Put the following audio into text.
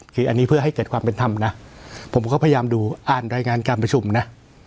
คืออันนี้เพื่อให้เกิดความเป็นธรรมนะผมก็พยายามดูอ่านรายงานการประชุมนะ